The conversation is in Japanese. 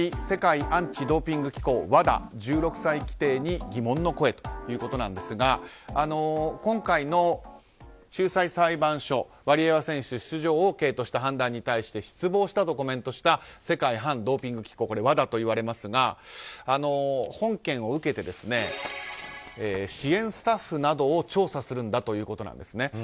世界アンチ・ドーピング機構・ＷＡＤＡ１６歳規定に疑問の声ということなんですが今回の仲裁裁判所ワリエワ選手出場ＯＫとした判断に対して失望したとコメントした世界反ドーピング機構ＷＡＤＡと呼ばれますが本件を受けて支援スタッフなどを調査するんだということなんですね。